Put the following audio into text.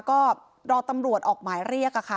ก็รอตำรวจออกหมายเรียกค่ะ